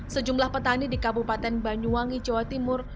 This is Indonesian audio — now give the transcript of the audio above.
sejumlah petani di kabupaten banyuwangi jawa timur